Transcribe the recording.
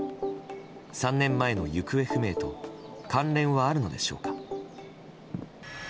３年前の行方不明と関連はあるのでしょうか。